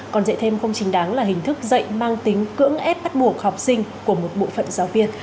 còn dạy thêm không chính đáng là hình thức dạy mang tính cưỡng ép bắt buộc học sinh của một bộ phận giáo viên